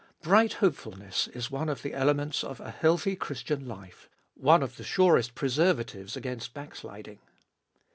Bright hopefulness is one of the elements of a healthy Christian life — one of the surest preserva tives against backsliding.